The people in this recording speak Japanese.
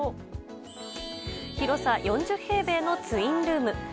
広さ４０平米のツインルーム。